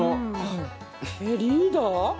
リーダー？